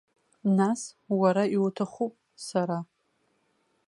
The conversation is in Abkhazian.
Нас, уара иуҭахуп, сара.